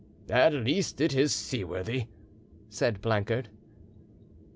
"At least it is seaworthy," said Blancard.